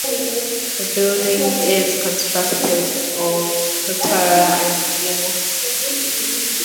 The building is constructed of totara and rimu.